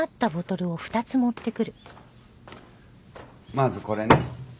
まずこれね。